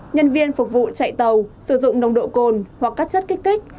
nhân viên phục vụ chạy tàu sử dụng nồng độ cồn hoặc các chất kích thích